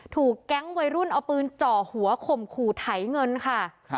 ถูกแก๊งวัยรุ่นเอาปืนจ่อหัวข่มขู่ไถเงินค่ะ